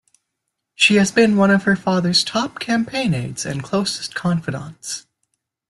She has been one of her father's top campaign aides and closest confidantes.